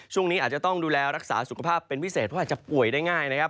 ช่วงนี้อาจจะต้องดูแลรักษาสุขภาพเป็นพิเศษเพราะอาจจะป่วยได้ง่ายนะครับ